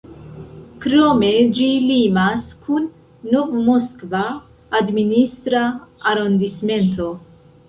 Krome, ĝi limas kun Nov-Moskva administra arondismento.